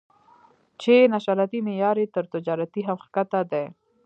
چې نشراتي معیار یې تر تجارتي هم ښکته دی.